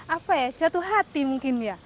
apa ya jatuh hati mungkin ya